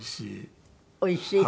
おいしい。